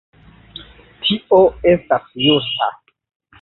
Tio estas justa.